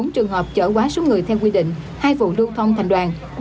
một mươi bốn trường hợp chở quá số người theo quy định hai vụ đương thông thành đoàn